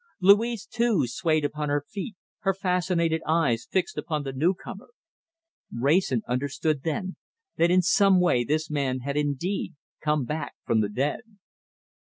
Louise, too, swayed upon her feet, her fascinated eyes fixed upon the newcomer. Wrayson understood, then, that in some way this man had indeed come back from the dead.